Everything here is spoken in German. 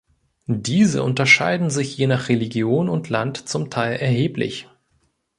Diese unterscheiden sich je nach Religion und Land zum Teil erheblich.